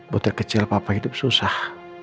butir kecil papa hidup susah